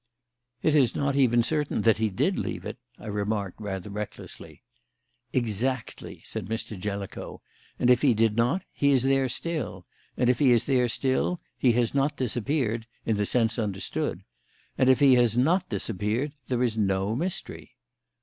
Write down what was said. "It is not even certain that he did leave it," I remarked, rather recklessly. "Exactly," said Mr. Jellicoe. "And if he did not, he is there still. And if he is there still, he has not disappeared in the sense understood. And if he has not disappeared, there is no mystery."